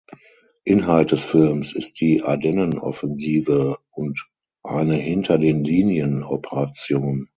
Inhalt des Films ist die Ardennenoffensive und eine Hinter-den-Linien Operation.